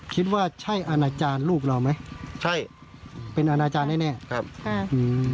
คิดว่าใช่อาณาจารย์ลูกเราไหมใช่เป็นอาณาจารย์แน่แน่ครับค่ะอืม